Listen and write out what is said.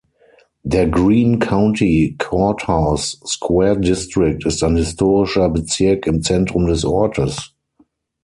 Der Greene County Courthouse Square District ist ein historischer Bezirk im Zentrum des Ortes.